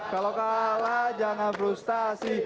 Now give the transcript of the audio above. kalau kalah jangan frustasi